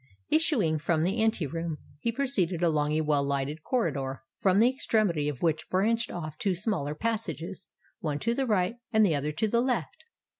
Issuing from the ante room, he proceeded along a well lighted corridor, from the extremity of which branched off two smaller passages, one to the right, and the other to the left.